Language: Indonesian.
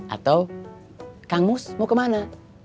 atau kang mus mau kemana